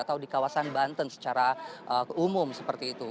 atau di kawasan banten secara umum seperti itu